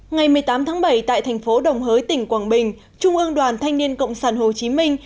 ngày một mươi tám tháng bảy tại thành phố đồng hới tỉnh quảng bình trung ương đoàn thanh niên cộng sản hồ chí minh